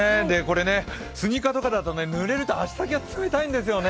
スニーカーとかだと濡れると足先が冷たいんですよね。